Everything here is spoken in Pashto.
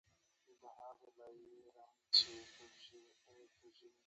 شهره آفاق ادیب او شاعر ته مې سلام ووايه.